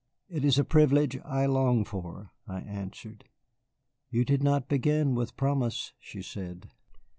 "It is a privilege I long for," I answered. "You did not begin with promise," she said.